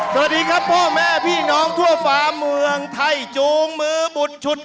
สวัสดีครับพ่อแม่พี่น้องทั่วฟ้าเมืองไทยจูงมือบุตรฉุด